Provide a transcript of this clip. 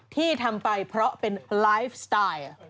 ที่ทำไปเพราะเป็นไลฟ์สไตล์